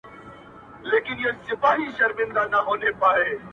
• دا ستا خبري او ښكنځاوي گراني ـ